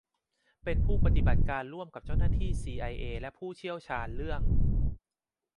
เป็นผู้ปฏิบัติการร่วมกับเจ้าหน้าที่ซีไอเอและผู้เชี่ยวชาญเรื่อง